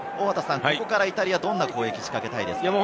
ここからイタリア、どんな攻撃を仕掛けたいですか？